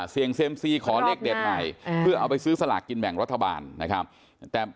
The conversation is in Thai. เซ็มซีขอเลขเด็ดใหม่เพื่อเอาไปซื้อสลากกินแบ่งรัฐบาลนะครับแต่